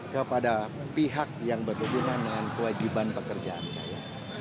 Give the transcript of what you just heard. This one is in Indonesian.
kepada pihak yang berhubungan dengan kewajiban pekerjaan saya